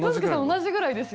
同じぐらいですよ。